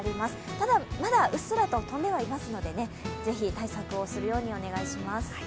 ただ、まだうっすらと飛んではいますので、ぜひ対策をするようにお願いします。